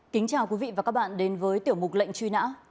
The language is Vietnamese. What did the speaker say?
kính chào quý vị và các bạn đến với tiểu mục lệnh truy nã